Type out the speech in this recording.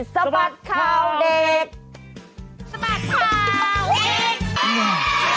สะบัดเขาเด็ก